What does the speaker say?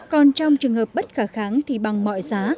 còn trong trường hợp bất khả kháng thì bằng mọi giá